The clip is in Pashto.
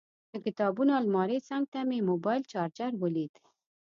د کتابونو المارۍ څنګ ته مې موبایل چارجر ولید.